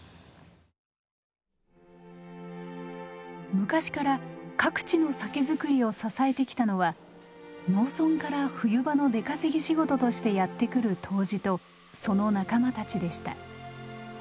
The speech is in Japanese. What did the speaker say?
昔から各地の酒造りを支えてきたのは農村から冬場の出稼ぎ仕事としてやって来る杜氏とその仲間たちでした。